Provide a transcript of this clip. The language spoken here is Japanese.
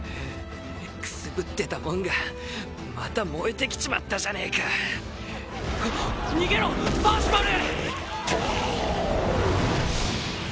くすぶってたもんがまた燃えてきちまったじゃねえか逃げろパーシバル！